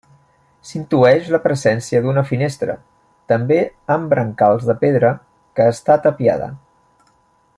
S'intueix la presència d'una finestra, també amb brancals de pedra, que està tapiada.